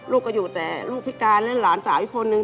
ลูกก็อยู่แต่ลูกพิการและหลานสาวอีกคนนึง